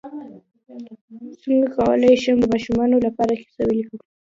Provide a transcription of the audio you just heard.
څنګه کولی شم د ماشومانو لپاره کیسه ولیکم